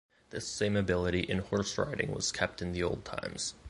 This same ability in horse riding was kept in the old times.